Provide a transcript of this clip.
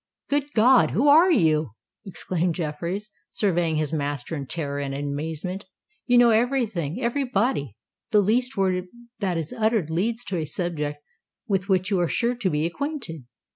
"Good God! who are you?" exclaimed Jeffreys, surveying his master in terror and amazement. "You know every thing—every body! The least word that is uttered leads to a subject with which you are sure to be acquainted!